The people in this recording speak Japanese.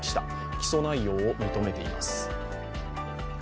起訴内容を認めています。